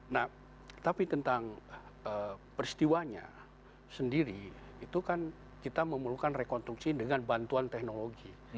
nah tapi tentang peristiwanya sendiri itu kan kita memerlukan rekonstruksi dengan bantuan teknologi